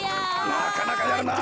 なかなかやるな。